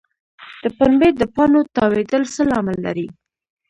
د پنبې د پاڼو تاویدل څه لامل لري؟